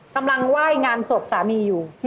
กำลังไหว้งานศพสามีอยู่